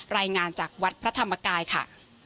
รายงานจากวัดพระธรรมกายค่ะ